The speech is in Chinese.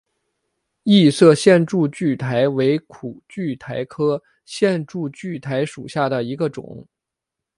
异色线柱苣苔为苦苣苔科线柱苣苔属下的一个种。